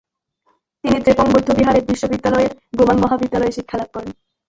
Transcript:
তিনি দ্রেপুং বৌদ্ধবিহার বিশ্ববিদ্যালয়ের গোমাং মহাবিদ্যালয়ে শিক্ষালাভ করেন।